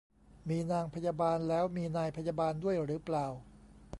มีนางพยาบาลแล้วมีนายพยาบาลด้วยหรือเปล่า